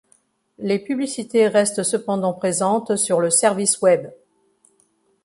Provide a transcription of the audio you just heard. Les publicités restent cependant présentes sur le service Web.